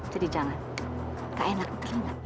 jadi jangan gak enak terima kasih